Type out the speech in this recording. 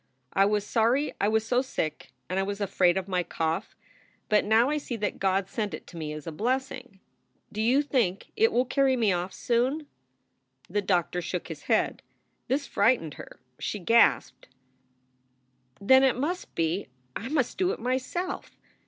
I was sorry I was so sick, and I was afraid of my cough ; but now I see that God sent it to me as a blessing. Do you think it will carry me off soon?" The doctor shook his head. This frightened her. She gasped: "Then it must be I must do it myself.